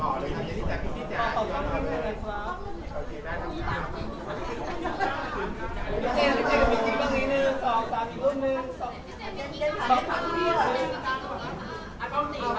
อันใจกับพิกิฟต์นี้ก็จ้างกันได้จ้าง